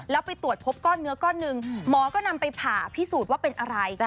แล้วไปตรวจพบก้อนเนื้อก้อนหนึ่งหมอก็นำไปผ่าพิสูจน์ว่าเป็นอะไร